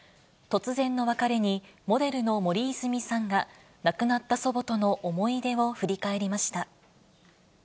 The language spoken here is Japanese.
突然の別れに、モデルの森泉さんが亡くなった祖母との思い出を振り返りました。